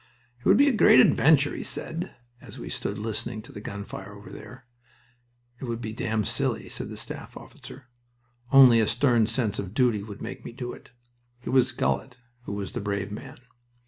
"It would be a great adventure," he said, as we stood listening to the gun fire over there. "It would be damn silly," said a staff officer. "Only a stern sense of duty would make me do it." It was Gullett who was the brave man.